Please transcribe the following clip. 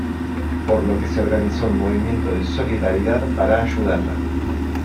Por lo que se organizó un movimiento de solidaridad para ayudarla.